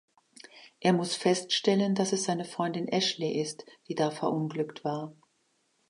Er muss feststellen, dass es seine Freundin Ashley ist, die da verunglückt war.